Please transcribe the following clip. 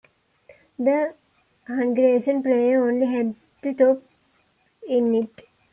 The Hungarian player only had to tap it in.